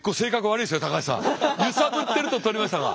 ゆさぶってると取りましたか。